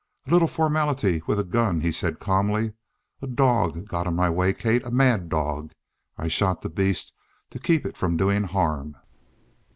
"A little formality with a gun," he said calmly. "A dog got in my way, Kate a mad dog. I shot the beast to keep it from doing harm."